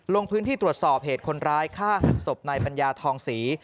ลงพื้นที่ตรวจสอบเหตุคนร้ายฆ่าหันศพนายปัญญาทองศรี